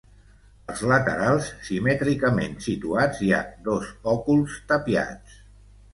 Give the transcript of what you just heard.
Als laterals simètricament situats hi ha dos òculs tapiats.